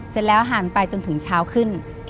เสร็จแล้วหันไปจนถึงเช้าขึ้น